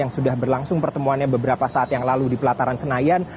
yang sudah berlangsung pertemuannya beberapa saat yang lalu di pelataran senayan